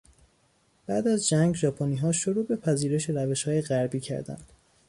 بعد از جنگ ژاپنیها شروع به پذیرش روشهای غربی کردند.